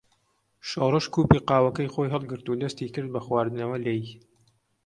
شۆڕش کووپی قاوەکەی خۆی هەڵگرت و دەستی کرد بە خواردنەوە لێی.